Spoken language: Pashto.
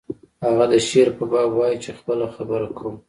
هغه د شعر په باب وایی چې خپله خبره کوم